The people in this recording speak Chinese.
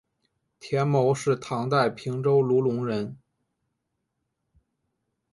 田牟是唐代平州卢龙人。